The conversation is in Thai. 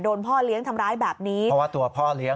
พ่อเลี้ยงทำร้ายแบบนี้เพราะว่าตัวพ่อเลี้ยง